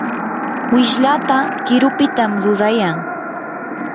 wishlata qirupitam rurayan.